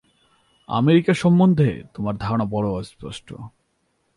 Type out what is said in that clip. America সম্বন্ধে তোমার ধারণা বড় অস্পষ্ট।